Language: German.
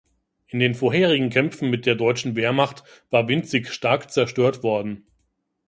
In den vorherigen Kämpfen mit der deutschen Wehrmacht war Winzig stark zerstört worden.